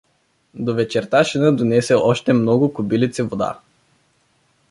До вечерта Шина донесе още много кобилици вода.